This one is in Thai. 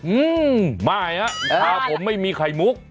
อืมไม่ฮะตาผมไม่มีไข่มุก